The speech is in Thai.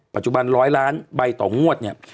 ปัจจุบันร้อยล้านใบต่องวดเนี่ย